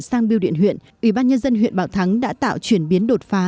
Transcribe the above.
sang biêu điện huyện ủy ban nhân dân huyện bảo thắng đã tạo chuyển biến đột phá